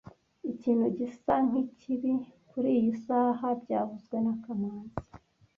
Ikintu gisa nkikibi kuriyi saha byavuzwe na kamanzi